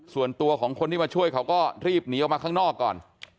ส่วนตัวของคนที่มาช่วยเขาก็รีบหนีออกมาข้างนอกก่อน